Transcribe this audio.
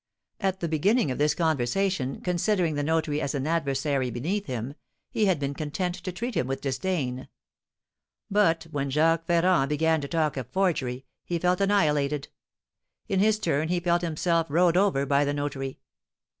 At the beginning of this conversation, considering the notary as an adversary beneath him, he had been content to treat him with disdain; but, when Jacques Ferrand began to talk of forgery, he felt annihilated; in his turn he felt himself rode over by the notary.